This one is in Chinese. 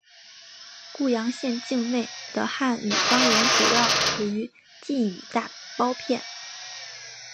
固阳县境内的汉语方言主要属于晋语大包片。